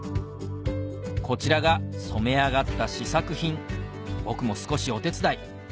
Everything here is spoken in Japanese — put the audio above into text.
こちらが染め上がった試作品僕も少しお手伝い